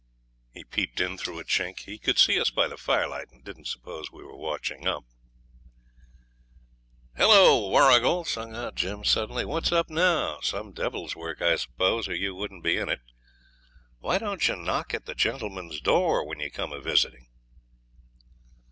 He peeped in through a chink. He could see us by the firelight, and didn't suppose we were watching him. 'Hullo, Warrigal!' sung out Jim suddenly, 'what's up now? Some devil's work, I suppose, or you wouldn't be in it. Why don't you knock at a gentleman's door when you come a visiting?'